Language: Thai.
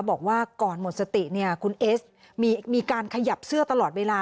บอกว่าก่อนหมดสติเนี่ยคุณเอสมีการขยับเสื้อตลอดเวลา